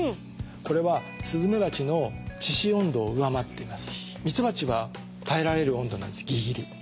これはスズメバチの致死温度を上回っています。